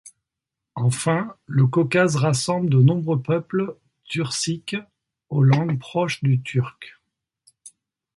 Enfin, le Caucase rassemble de nombreux peuples turciques, aux langues proches du turc.